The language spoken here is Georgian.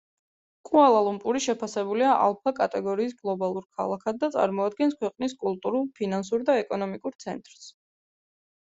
კუალა-ლუმპური შეფასებულია ალფა კატეგორიის გლობალურ ქალაქად და წარმოადგენს ქვეყნის კულტურულ, ფინანსურ და ეკონომიკურ ცენტრს.